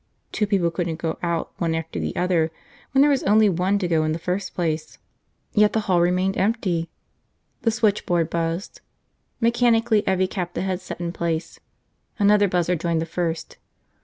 Two people couldn't go out one after the other when there was only one to go in the first place. Yet the hall remained empty. The switchboard buzzed. Mechanically Evvie capped the headset in place. Another buzzer joined the first.